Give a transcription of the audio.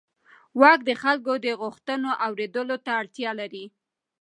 واک د خلکو د غوښتنو اورېدلو ته اړتیا لري.